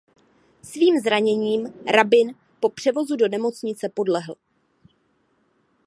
Svým zraněním Rabin po převozu do nemocnice podlehl.